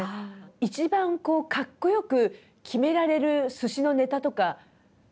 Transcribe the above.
一番こうかっこ良く決められる寿司のネタとかありますか？